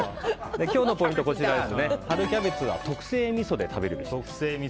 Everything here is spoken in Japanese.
今日のポイントは春キャベツは特製みそで食べるべし。